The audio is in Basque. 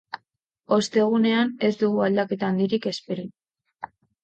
Ostegunean ez dugu aldaketa handirik espero.